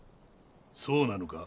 そうなのか？